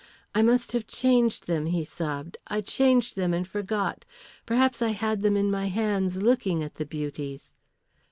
"I must have changed them," he sobbed. "I changed them and forgot; perhaps I had them in my hands looking at the beauties."